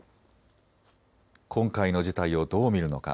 今回の事態をどう見るのか。